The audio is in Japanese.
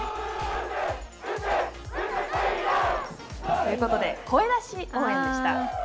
ということで、声出し応援でした。